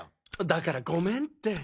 だからごめんって。